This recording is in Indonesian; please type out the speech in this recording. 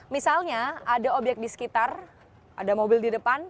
misalnya ada obyek di sekitar ada mobil di depan